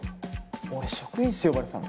俺職員室呼ばれてたんだ。